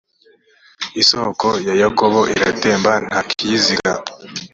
isoko ya yakobo iratemba nta kiyiziga.